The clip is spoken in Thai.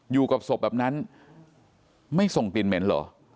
อยู่กับศพแบบนั้นไม่ส่งกลิ่นเหม็นเหรอ